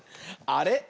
あれ？